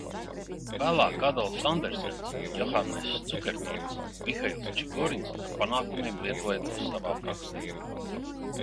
Vēlāk, Ādolfs Andersens, Johanness Cukertorts, Mihails Čigorins ar panākumiem lietoja to savā praksē.